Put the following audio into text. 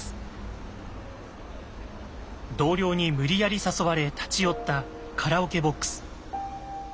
同僚に無理やり誘われ立ち寄ったカラオケボックス。